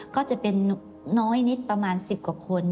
ก็จะเป็นน้อยนิดประมาณ๑๐กว่าคน